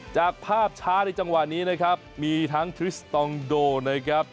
จากภาพช้าในจังหวะนี้นะครับมีทั้งทริสตองโดนะครับ